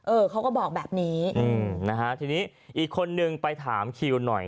เขาก็บอกแบบนี้อืมนะฮะทีนี้อีกคนนึงไปถามคิวหน่อย